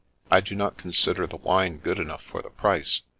I do not consider the wine good enough for the price.'